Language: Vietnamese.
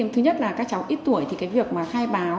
thứ nhất là các cháu ít tuổi thì cái việc mà khai báo